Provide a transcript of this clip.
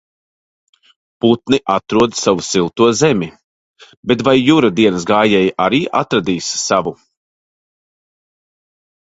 Putni atrod savu silto zemi, bet vai Jura dienas gājēji arī atradīs savu?